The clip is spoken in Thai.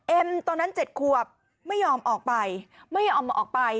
ตอนนั้น๗ขวบไม่ยอมออกไปไม่ยอมออกไป